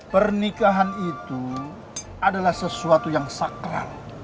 pernikahan itu adalah sesuatu yang sakral hai suci